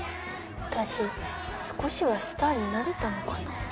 私少しはスターになれたのかな。